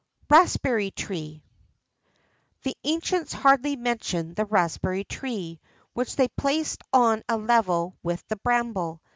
RASPBERRY TREE. The ancients hardly mention the raspberry tree, which they placed on a level with the bramble.